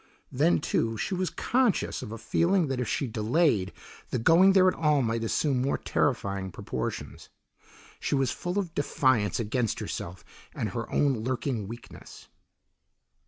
Then, too, she was conscious of a feeling that if she delayed, the going there at all might assume more terrifying proportions. She was full of defiance against herself and her own lurking weakness.